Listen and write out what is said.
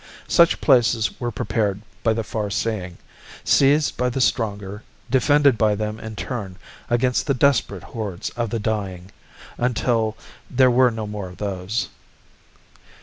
Such places were prepared by the far seeing, seized by the stronger, defended by them in turn against the desperate hordes of the dying ... until there were no more of those.